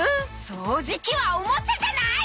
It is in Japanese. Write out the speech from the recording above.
掃除機はおもちゃじゃない！